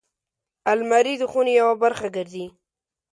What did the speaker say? الماري د خونې یوه برخه ګرځي